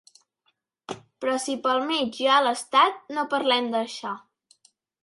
Però si pel mig hi ha l’estat no parlem d’això.